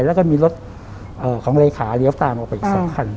แล้วก็มีรถของเลขาเลี้ยวตามออกไปอีก๒คัน